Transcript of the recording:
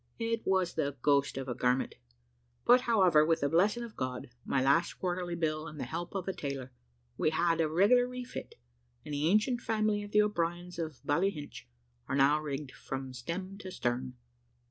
It was the ghost of a garment; but, however, with the blessing of God, my last quarterly bill, and the help of a tailor, we have had a regular refit, and the ancient family of the O'Briens of Ballyhinch are now rigged from stem to stern.